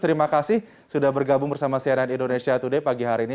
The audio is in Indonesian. terima kasih sudah bergabung bersama cnn indonesia today pagi hari ini